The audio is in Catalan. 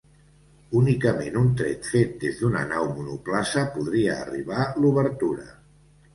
Únicament un tret fet des d'una nau monoplaça podria arribar l'obertura.